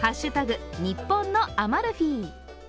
日本のアマルフィ。